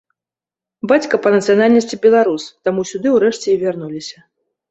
Бацька па нацыянальнасці беларус, таму сюды ўрэшце і вярнуліся.